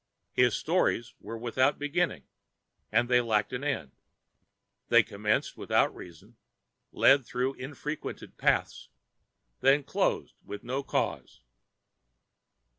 His stories were without beginning, and they lacked any end. They commenced without reason, led through unfrequented paths, then closed for no cause.